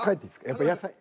やっぱ野菜。